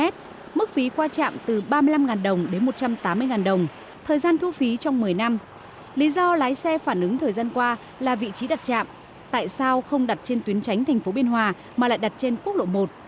trạm thu phí bot biên hòa đã đặt trên quốc lộ một